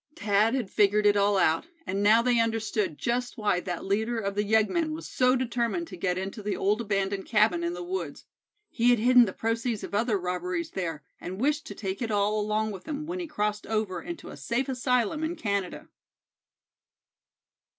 Thad had figured it all out, and now they understood just why that leader of the yeggmen was so determined to get into the old abandoned cabin in the woods; he had hidden the proceeds of other robberies there, and wished to take it all along with him when he crossed over into a safe asylum in Canada.